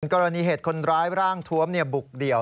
กรณีเหตุคนร้ายร่างทวมบุกเดี่ยว